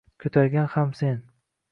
Ko’targan ham sen.